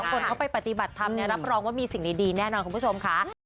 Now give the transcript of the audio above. คนเขาไปปฏิบัติธรรมรับรองว่ามีสิ่งดีแน่นอนคุณผู้ชมค่ะ